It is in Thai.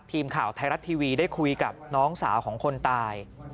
ทีมข่าวไทยรัฐทีวีได้คุยกับน้องสาวของคนตาย